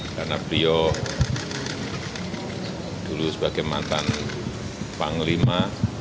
karena beliau dulu sebagai mantan panglima